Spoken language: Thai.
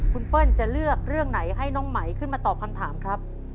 คุณเปิ้ลจะเลือกเรื่องไหนให้น้องไหมขึ้นมาตอบคำถามครับ